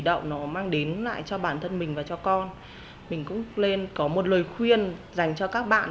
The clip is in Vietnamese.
động nó mang đến lại cho bản thân mình và cho con mình cũng nên có một lời khuyên dành cho các bạn